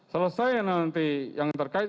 selesai nanti yang terkait